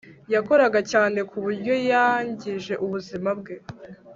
Yakoraga cyane ku buryo yangije ubuzima bwe